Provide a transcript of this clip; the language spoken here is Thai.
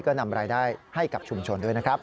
ก็นำรายได้ให้กับชุมชนด้วยนะครับ